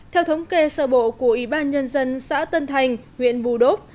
theo thống kê sở bộ của ybnd xã tân thành huyện bù đốc